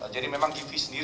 jadi memang givi sendiri